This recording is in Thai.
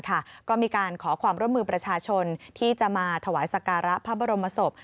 ก็มีการขอความร่วมมือประชาชนที่จะมาถวายสการะพระบรมศพ